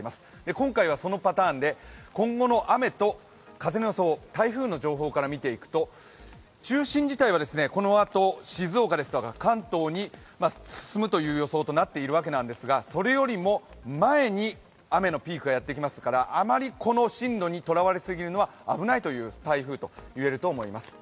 今回はそのパターンで今後の雨と風の予想、台風の情報から見ていくと中心自体はこのあと静岡ですとか関東に進むという予想となっているわけですがそれよりも前に雨のピークがやってきますからあまりこの進路にとらわれすぎるのは危ないという台風だと言えると思います。